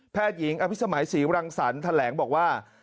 แพทย์หญิงอภิสมัยศรีวรังสรรค์ท่านแหลงบอกว่า